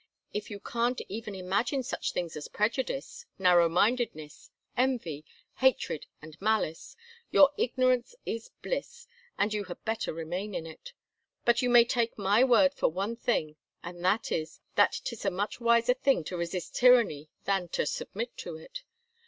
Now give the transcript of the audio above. If you can't even imagine such things as prejudice, narrow mindedness, envy, hatred, and malice, your ignorance is bliss, and you had better remain in it. But you may take my word for one thing, and that is, that 'tis a much wiser thing to resist tyranny than to submit to it.